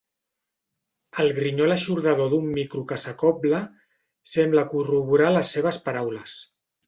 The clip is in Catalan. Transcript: El grinyol eixordador d'un micro que s'acobla sembla corroborar les seves paraules.